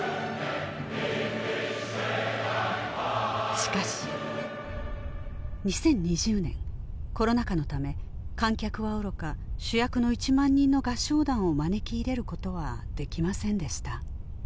しかし２０２０年コロナ禍のため観客はおろか主役の１万人の合唱団を招き入れることはできませんでした